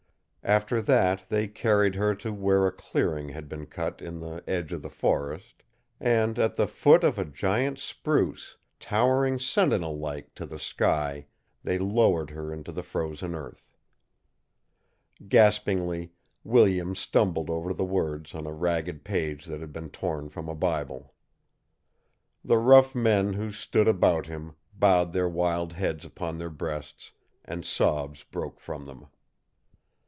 After that they carried her to where a clearing had been cut in the edge of the forest; and at the foot of a giant spruce, towering sentinel like to the sky, they lowered her into the frozen earth. Gaspingly, Williams stumbled over the words on a ragged page that had been torn from a Bible. The rough men who stood about him bowed their wild heads upon their breasts, and sobs broke from them.